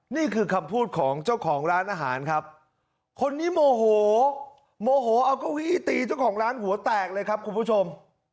นี่คือคำพูดของเจ้าของร้านอาหารครับคนนี้โมโหโมโหเอาเก้าอี้ตีเจ้าของร้านหัวแตกเลยครับคุณผู้ชม